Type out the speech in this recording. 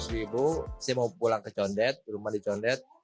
seratus ribu saya mau pulang ke condet rumah di condet